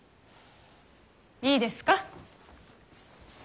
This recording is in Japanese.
いいですか。